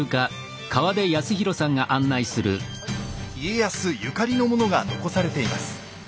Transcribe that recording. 家康ゆかりのものが残されています。